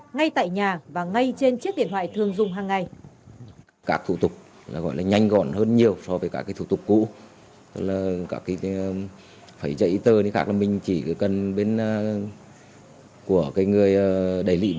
ngay tại nhà và ngay trên chiếc điện thoại thường dùng hàng ngày